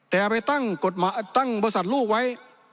แต่เอาไปตั้งบริษัทลูกไว้